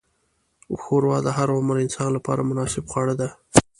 ښوروا د هر عمر انسان لپاره مناسب خواړه ده.